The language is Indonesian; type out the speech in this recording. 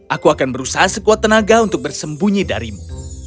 aku akan berusaha sekuat tenaga untuk bersembunyi darimu